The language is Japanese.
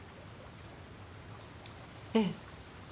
ええ。